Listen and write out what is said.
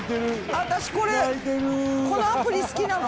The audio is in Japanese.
私これこのアプリ好きなの。